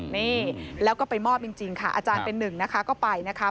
นี่แล้วก็ไปมอบจริงค่ะอาจารย์เป็นหนึ่งนะคะก็ไปนะคะ